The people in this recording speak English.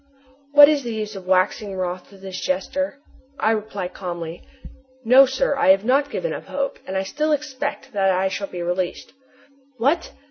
What is the use of waxing wroth with this jester? I reply calmly: "No, sir. I have not given up hope, and I still expect that I shall be released." "What!